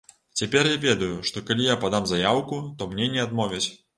Цяпер я ведаю, што калі я падам заяўку, то мне не адмовяць.